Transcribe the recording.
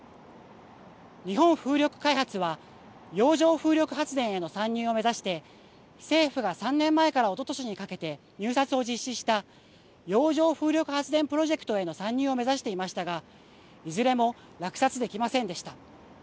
日本風力開発は洋上風力発電への参入を目指して政府が３年前からおととしにかけて入札を実施した洋上風力発電プロジェクトへの参入を目指していましたがいずれも落札できませんでした。